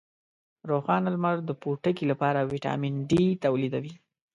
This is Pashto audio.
روښانه لمر د پوټکي لپاره ویټامین ډي تولیدوي.